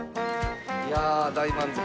いや大満足。